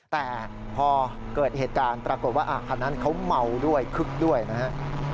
แต่พอเกิดเหตุการณ์ปรากฏว่าคันนั้นเขาเมาด้วยคึกด้วยนะฮะ